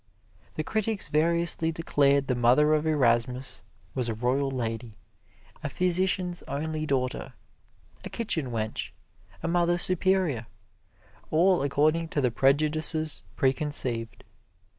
The critics variously declared the mother of Erasmus was a royal lady, a physician's only daughter, a kitchen wench, a Mother Superior all according to the prejudices preconceived.